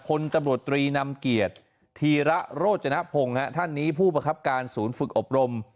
พลตำรวจตรีนำเกียรติธีระโรจนพงศ์ท่านนี้ผู้ประคับการศูนย์ฝึกอบรม